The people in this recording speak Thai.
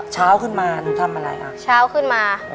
เช้าขึ้นมาหนูทำอะไรค่ะ